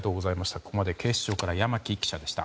ここまで警視庁から山木記者でした。